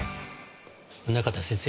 宗方先生